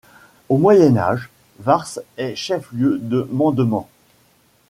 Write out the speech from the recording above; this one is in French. Au Moyen Âge, Varces est chef-lieu de mandement.